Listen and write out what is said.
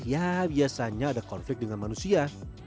ya biasanya ada konflik dengan manusia